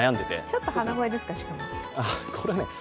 ちょっと鼻声ですか、しかも。